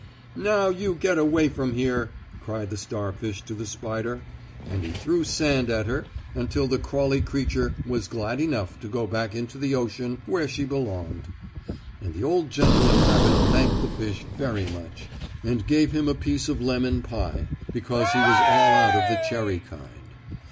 "Now you get away from here!" cried the starfish to the spider, and he threw sand at her until the crawly creature was glad enough to go back into the ocean where she belonged. And the old gentleman rabbit thanked the fish very much, and gave him a piece of lemon pie, because he was all out of the cherry kind.